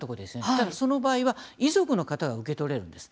例えば、その場合は遺族の方が受け取れるんです。